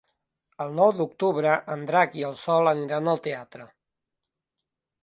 El nou d'octubre en Drac i en Sol aniran al teatre.